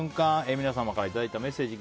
皆様からいただいたメッセージ。